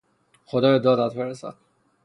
خدا به دادت برسد!